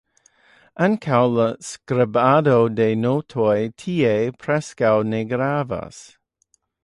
Ankaŭ la "skribado" de notoj tie preskaŭ ne gravas.